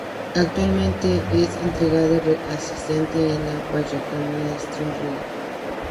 Actualmente es entrenador asistente en el Pallacanestro Reggiana.